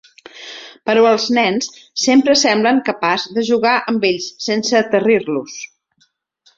Però els nens sempre semblen capaç de jugar amb ells sense aterrir-los.